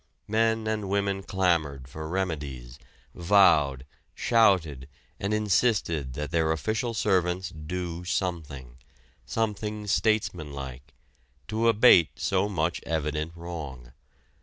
Men and women clamored for remedies, vowed, shouted and insisted that their "official servants" do something something statesmanlike to abate so much evident wrong.